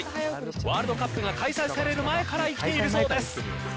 ワールドカップが開催される前から生きているそうです。